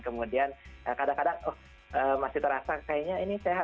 kemudian kadang kadang oh masih terasa kayaknya ini sehat